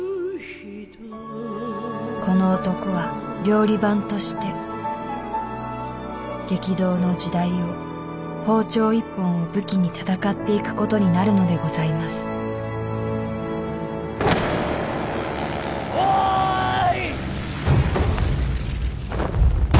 この男は料理番として激動の時代を包丁一本を武器に戦っていくことになるのでございますおい！